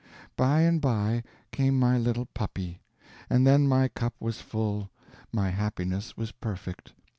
By and by came my little puppy, and then my cup was full, my happiness was perfect.